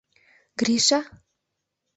Гриша?